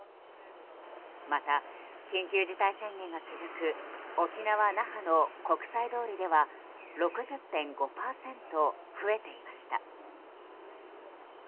また、緊急事態宣言が続く沖縄・那覇の国際通りでは６０．５％増えていました。